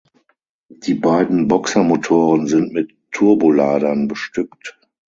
Die beiden Boxermotoren sind mit Turboladern bestückt.